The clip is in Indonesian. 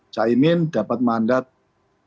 saya ingin dapat mandat dalam muka tangan